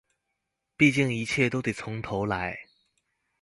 畢竟一切都得從頭來